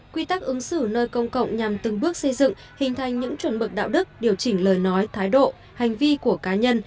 quy tắc ứng xử nơi công cộng nhằm từng bước xây dựng hình thành những chuẩn mực đạo đức điều chỉnh lời nói thái độ hành vi của cá nhân